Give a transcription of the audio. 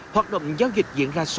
hoạt động giao dịch diễn ra số